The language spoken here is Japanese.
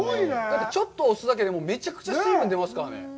ちょっと押すだけで、めちゃくちゃ水分出ますからね。